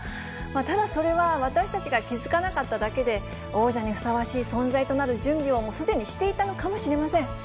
ただ、それは私たちが気付かなかっただけで、王者にふさわしい存在となる準備を、もうすでにしていたのかもしれません。